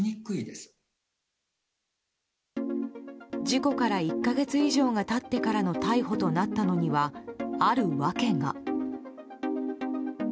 事故から１か月以上が経ってからの逮捕となったのはある訳が。